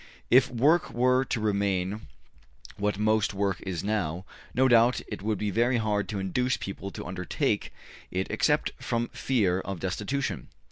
If work were to remain what most work is now, no doubt it would be very hard to induce people to undertake it except from fear of destitution.